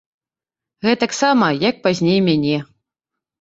Гэтаксама, як пазней мяне.